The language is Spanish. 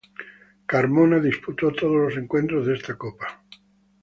Carmona disputó todos los encuentros de esta copa.